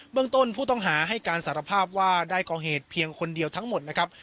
เมืองต้นผู้ต้องหาให้การสารภาพว่าได้ก่อเหตุเพียงคนเดียวทั้งหมดนะครับ